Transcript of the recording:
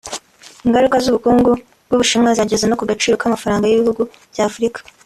Ingaruka z’ubukungu bw’u Bushinwa zageze no ku gaciro k’amafaranga y’ibihugu bya Afurika